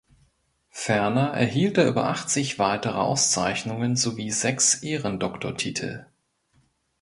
Ferner erhielt er über achtzig weitere Auszeichnungen, sowie sechs Ehrendoktortitel.